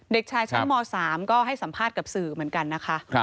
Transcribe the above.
เด็กชายชั้นม๓ก็ให้สัมภาษณ์กับสื่อเหมือนกันนะคะ